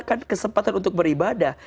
kan kesempatan untuk beribadah